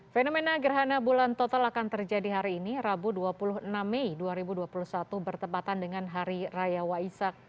fenomena gerhana bulan total akan terjadi hari ini rabu dua puluh enam mei dua ribu dua puluh satu bertepatan dengan hari raya waisak